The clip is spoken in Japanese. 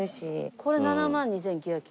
これ７万２９９０円。